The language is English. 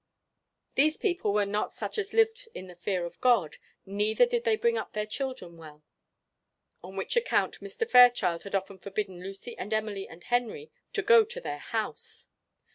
These people were not such as lived in the fear of God, neither did they bring up their children well; on which account Mr. Fairchild had often forbidden Lucy and Emily and Henry to go to their house.